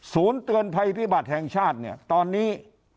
เตือนภัยพิบัติแห่งชาติเนี่ยตอนนี้